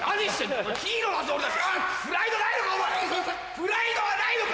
プライドはないのか！